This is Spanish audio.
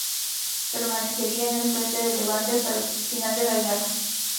Permanecería en el Frente de Levante hasta el final de la guerra.